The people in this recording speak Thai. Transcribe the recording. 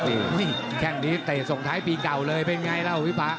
อุ้ยแข่งดีเตะส่งท้ายปีเก่าเลยเป็นไงแล้ววิภา